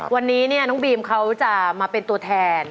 วันนี้น้องบีมเขาจะมาเป็นตัวแทน